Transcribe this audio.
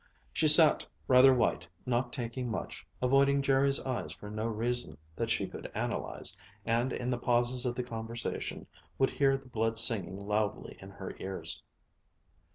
She sat, rather white, not talking much, avoiding Jerry's eyes for no reason that she could analyze, and, in the pauses of the conversation, could hear the blood singing loudly in her ears.